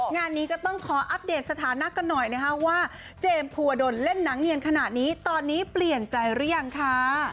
งานนี้ก็ต้องขออัปเดตสถานะกันหน่อยนะคะว่าเจมส์ภูวดลเล่นหนังเนียนขนาดนี้ตอนนี้เปลี่ยนใจหรือยังคะ